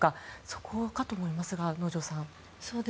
そこかと思いますが、能條さん。